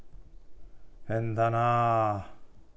変だなあ。